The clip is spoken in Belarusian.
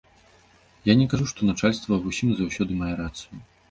Я не кажу, што начальства ва ўсім і заўсёды мае рацыю.